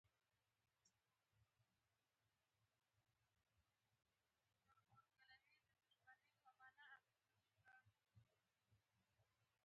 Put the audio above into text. سړک له بزګرو سره مرسته کوي.